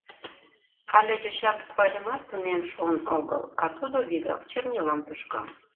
Але йоча букварьымат тунем шуын огыл, а тудо вигак чернилам тушка.